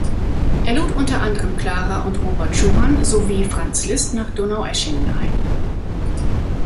Er lud unter anderem Clara und Robert Schumann sowie Franz Liszt nach Donaueschingen ein.